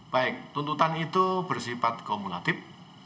baik tuntutan itu bersifat kumulatif